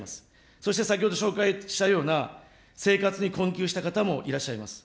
そして先ほど紹介したような生活に困窮した方もいらっしゃいます。